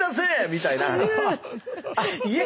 みたいな